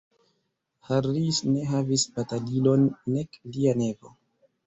Harris ne havis batalilon, nek lia nevo.